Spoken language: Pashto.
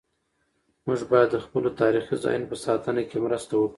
موږ باید د خپلو تاریخي ځایونو په ساتنه کې مرسته وکړو.